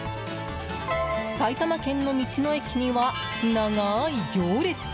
埼玉県の道の駅には長い行列。